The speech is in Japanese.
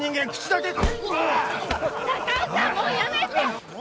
もうやめて！